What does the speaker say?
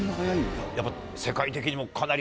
やっぱ。